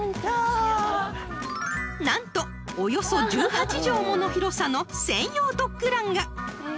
［何とおよそ１８畳もの広さの専用ドッグランが］